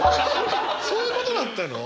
そういうことだったの？